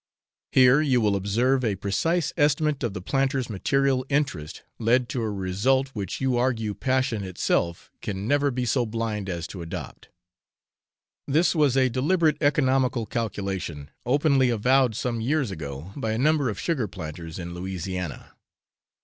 Here you will observe a precise estimate of the planter's material interest led to a result which you argue passion itself can never be so blind as to adopt. This was a deliberate economical calculation, openly avowed some years ago by a number of sugar planters in Louisiana.